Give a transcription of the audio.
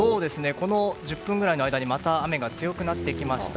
この１０分ぐらいの間に雨が強くなってきました。